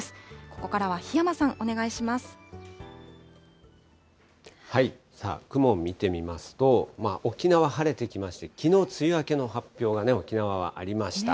ここからは檜山さん、お願いしまさあ、雲見てみますと、沖縄、晴れてきまして、きのう梅雨明けの発表が、沖縄はありました。